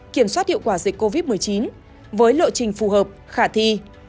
kiểm soát hiệu quả dịch covid một mươi chín với lộ trình phù hợp khả thi